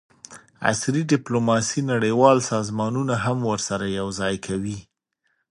عصري ډیپلوماسي نړیوال سازمانونه هم ورسره یوځای کوي